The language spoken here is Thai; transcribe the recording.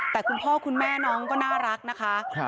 แต่คุณพ่อคุณแม่น้องก็น่ารักนะคะ